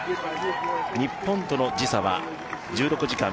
日本との時差は１６時間。